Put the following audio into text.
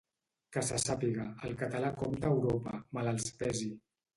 Que se sàpiga, el català compta a Europa, mal els pesi.